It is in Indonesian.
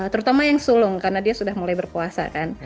terutama yang sulung karena dia sudah mulai berpuasa kan